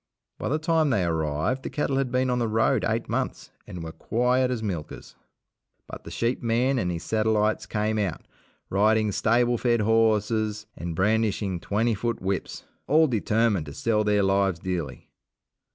By the time they arrived, the cattle had been on the road eight months, and were quiet as milkers. But the sheep man and his satellites came out, riding stable fed horses and brandishing twenty foot whips, all determined to sell their lives dearly.